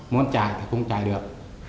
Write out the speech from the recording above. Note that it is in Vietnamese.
muốn chạy thì không chạy được